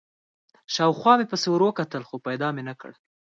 شاوخوا مې ورپسې وکتل، خو پیدا مې نه کړ.